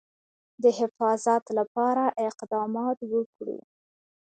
د حفاظت لپاره اقدامات وکړو.